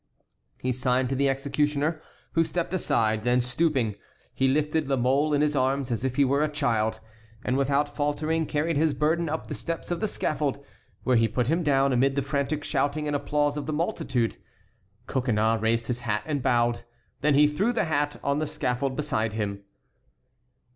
He signed to the executioner, who stepped aside; then, stooping, he lifted La Mole in his arms as if he were a child, and without faltering carried his burden up the steps of the scaffold, where he put him down, amid the frantic shouting and applause of the multitude. Coconnas raised his hat and bowed. Then he threw the hat on the scaffold beside him.